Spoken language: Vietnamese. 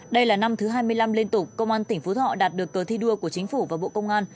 đây là năm thứ hai mươi năm liên tục công an tỉnh phú thọ đạt được cờ thi đua của chính phủ và bộ công an